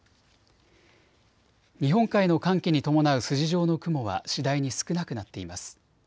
日本海の寒気に伴う筋状の雲は次第に少なくなっています。